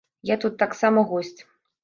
Я тут таксама госць.